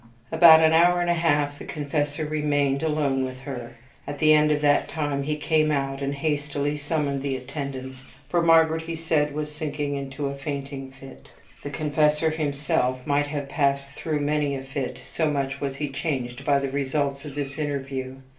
About an hour and a half the confessor remained alone with her. At the end of that time he came out, and hastily summoned the attendants, for Margaret, he said, was sinking into a fainting fit. The confessor himself might have passed through many a fit, so much was he changed by the results of this interview.